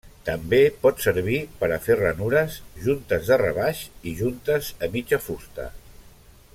També pot servir per a fer ranures, juntes de rebaix i juntes a mitja fusta.